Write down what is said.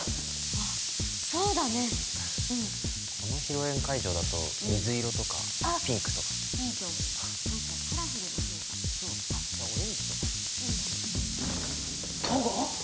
ああそうだねうんこの披露宴会場だと水色とかピンクとかいいと思う何かカラフルなほうがそうじゃオレンジとかも東郷？